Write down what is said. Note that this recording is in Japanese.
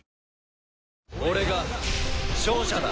俺が勝者だ！